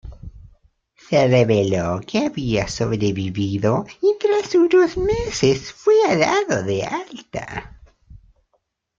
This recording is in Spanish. Se reveló que había sobrevivido y tras unos meses fue dado de alta.